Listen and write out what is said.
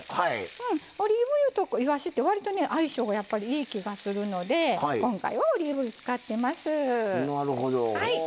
オリーブ油といわしって相性がいい気がするので今回はオリーブ油使ってます。